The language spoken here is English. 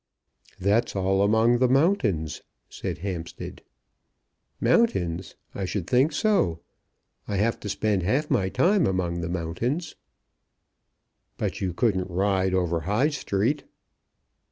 "That's all among the mountains," said Hampstead. "Mountains! I should think so. I have to spend half my time among the mountains." "But you couldn't ride over High Street?"